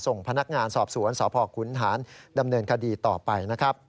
ส่งพนักงานสอบสวนสอบหอกขุนหานดำเนินคดีต่อไป